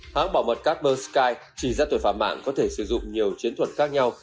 hãng bảo mật carbon sky chỉ ra tội phạm mạng có thể sử dụng nhiều chiến thuật khác nhau